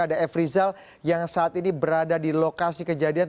ada f rizal yang saat ini berada di lokasi kejadian